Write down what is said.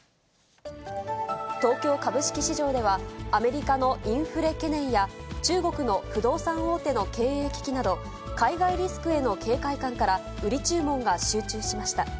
東京株式市場では、アメリカのインフレ懸念や、中国の不動産大手の経営危機など、海外リスクへの警戒感から売り注文が集中しました。